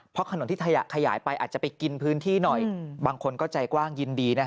เพราะถนนที่ขยายไปอาจจะไปกินพื้นที่หน่อยบางคนก็ใจกว้างยินดี